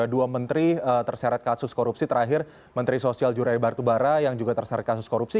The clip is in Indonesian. dua menteri terseret kasus korupsi terakhir menteri sosial jurai batubara yang juga terseret kasus korupsi